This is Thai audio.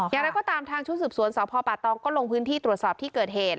อย่างไรก็ตามทางชุดสืบสวนสพป่าตองก็ลงพื้นที่ตรวจสอบที่เกิดเหตุ